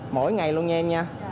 mỗi ngày luôn nha em nha